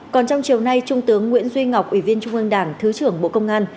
còn trong chiều nay trung tướng nguyễn duy ngọc ủy viên trung ương đảng thứ trưởng bộ công an